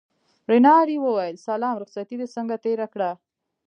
رینالډي وویل سلام رخصتې دې څنګه تېره کړه.